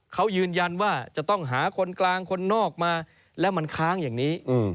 เขายืนยันว่าจะต้องหาคนกลางคนนอกมาแล้วมันค้างอย่างนี้